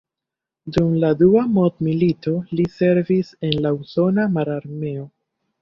Dum la Dua Mondmilito li servis en la usona mararmeo.